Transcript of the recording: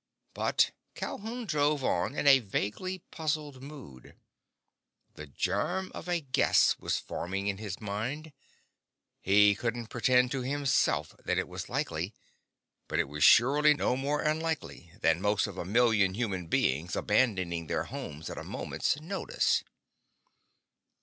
But Calhoun drove on in a vaguely puzzled mood. The germ of a guess was forming in his mind. He couldn't pretend to himself that it was likely, but it was surely no more unlikely than most of a million human beings abandoning their homes at a moment's notice.